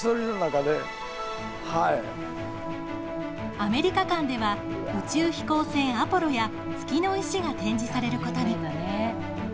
アメリカ館では宇宙飛行船アポロや月の石が展示されることに。